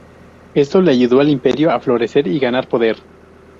Esto ayudó al imperio a florecer y ganar poder.